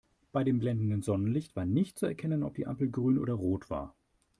Bei dem blendenden Sonnenlicht war nicht zu erkennen, ob die Ampel grün oder rot war.